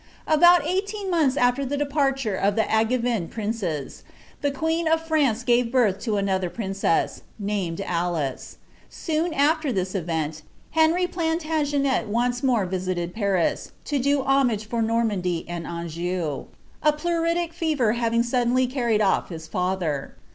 About ei^teen months after the departure of the Angevin princes, the queen <^ France gave birth to another princess, named Alice. Soon after this event, Henry Plantagenet once more visited Paris, to do ho mage for Nonnandy and Anjou, a pleuritic fever having suddenly carried off his &ther.